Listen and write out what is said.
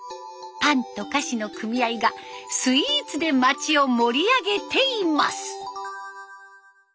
パンと菓子の組合がスイーツで町を盛り上げています。